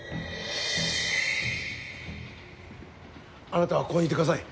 あなたはここにいてください。